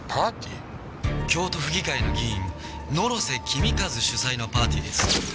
京都府議会の議員野呂瀬公和主催のパーティーです。